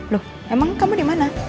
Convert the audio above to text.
loh emang kamu dimana